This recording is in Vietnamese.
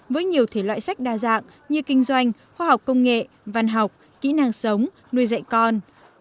với nhiều thể loại sách đa dạng như kinh doanh khoa học công nghệ văn học kỹ năng sống nuôi dạy con